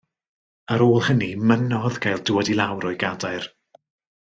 Ar ôl hynny mynnodd gael dŵad i lawr o'i gadair.